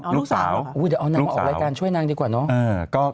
เดี๋ยวเอานางออกรายการช่วยนางดีกว่าเนาะ